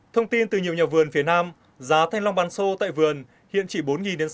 thông tin từ nhiều nhà vườn phía nam giá thanh long bàn sô tại vườn hiện chỉ bốn đến sáu đồng một kg tùy nơi